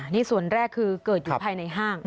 นี่ส่วนแรกคือเกิดอยู่ภายในห้าง